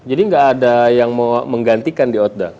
jadi gak ada yang mau menggantikan di oda